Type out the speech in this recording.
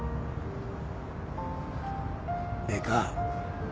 ええか？